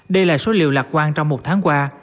đây là số liệu lạc quan trong một tháng qua